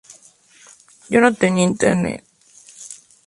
Ankh recupera la idea de los clásicos point 'n' click.